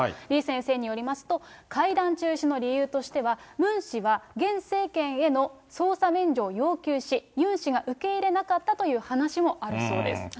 李先生によりますと、会談中止の理由としては、ムン氏は現政権への捜査免除を要求し、ユン氏が受け入れなかったという話もあるそうです。